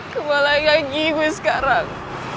kembali lagi gue sekarang